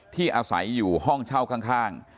ที่อาศัยอยู่ห้องเช่าข้าง